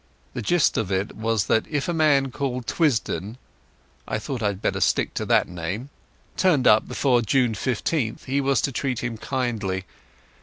The gist of it was that if a man called Twisdon (I thought I had better stick to that name) turned up before June 15th he was to entreat him kindly.